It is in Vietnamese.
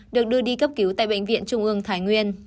được đưa đi cấp cứu tại bệnh viện trung ương thái nguyên